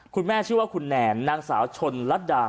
ชื่อว่าคุณแนนนางสาวชนลัดดา